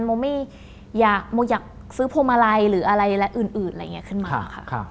โมไม่อยากซื้อโพมาไรหรืออะไรอื่นอะไรอย่างนี้ขึ้นมาค่ะ